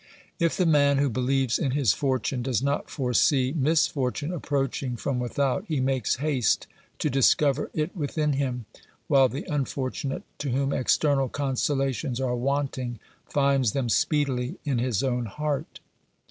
If the man who believes in his fortune does not foresee misfortune approaching from without, he makes haste to discover it within him, while the unfortunate to whom external consolations are wanting, finds them speedily in his own heart.